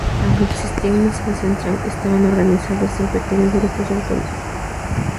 Aunque existía una sede central, estaban organizados en pequeños grupos autónomos.